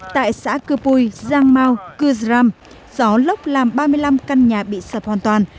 tại xã cư pui giang mau cư răm gió lốc làm ba mươi năm căn nhà bị sập hoàn toàn